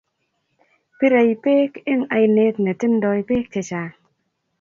Pirey pek eng' ainet ne tindoi peek chechang' .